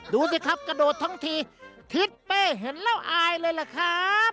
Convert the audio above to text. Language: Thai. ดูสิครับกระโดดทั้งทีทิศเป้เห็นแล้วอายเลยล่ะครับ